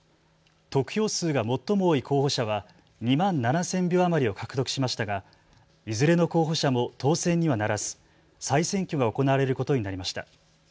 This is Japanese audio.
得票数が最も多い候補者は２万７０００票余りを獲得しましたが、いずれの候補者も当選にはならず再選挙が行われることになりました。